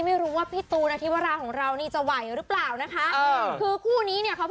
ไม่รู้ว่าพี่ตูนาทีวาราของเราจะไหวหรือเปล่านะคะ